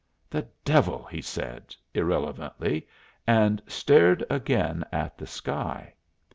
"The devil!" he said, irrelevantly, and stared again at the sky.